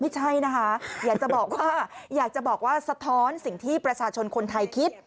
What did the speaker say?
ไม่ใช่นะคะอยากจะบอกว่าอยากจะบอกว่าสะท้อนสิ่งที่ประชาชนคนไทยคิด